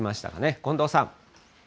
近藤さん。